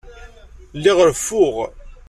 Lliɣ reffuɣ.